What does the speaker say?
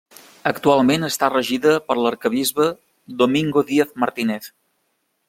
Actualment està regida per l'arquebisbe Domingo Díaz Martínez.